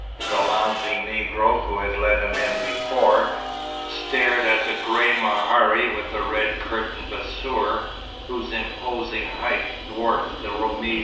The lounging Negro, who had let him in before, stared at the grey mehari with the red curtained bassour, whose imposing height dwarfed the Roumi's horse.